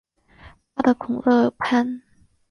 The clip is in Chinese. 巴德孔勒潘。